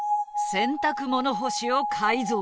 洗濯物干しを改造。